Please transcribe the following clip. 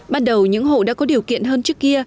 ban đầu những hộ đã có điều kiện hơn trước kia